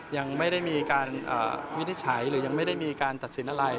ยังไม่ได้มีการวินิจฉัยหรือยังไม่ได้มีการตัดสินอะไร